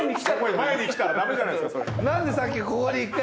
前に来たら駄目じゃないですかそれ。